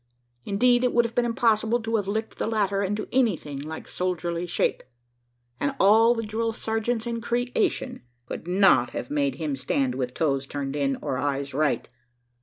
Indeed, it would have been impossible to have "licked" the latter into anything like soldierly shape; and all the drill sergeants in creation could not have made him stand with "toes turned in," or "eyes right."